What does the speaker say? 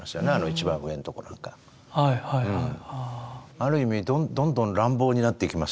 ある意味どんどん乱暴になっていきますよね。